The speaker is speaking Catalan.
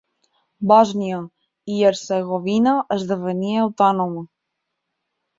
Bòsnia i Hercegovina esdevenia autònoma.